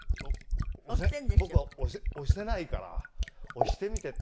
「僕は押してないから押してみて」って。